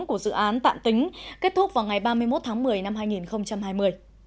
của dự án tạm tính kết thúc vào ngày ba mươi một tháng một mươi năm hai nghìn hai mươi